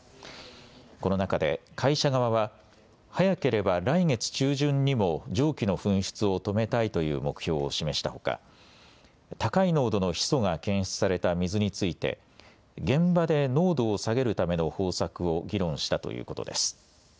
この中で会社側は早ければ来月中旬にも蒸気の噴出を止めたいという目標を示したほか、高い濃度のヒ素が検出された水について現場で濃度を下げるための方策を議論したということです。